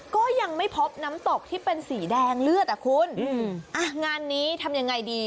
ก็ยังไม่พบน้ำตกที่เป็นสีแดงเลือดอ่ะคุณอ่ะงานนี้ทำยังไงดี